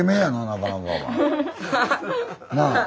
なあ。